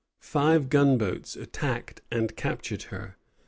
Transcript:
Five gunboats attacked and captured her.